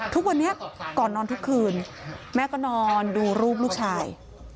ทุกวันนี้ก่อนนอนทุกคืนแม่ก็นอนดูรูปลูกชาย